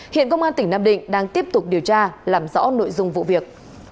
hiện công an tỉnh nam định đang tiếp tục điều tra làm rõ nội dung vụ việc